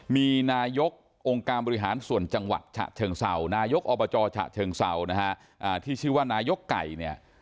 มีนายกองค์การบริหารส่วนจังหวัดฉะเชิงเสานายกอบจฉะเชิงเสาที่ชื่อว่านายกไก่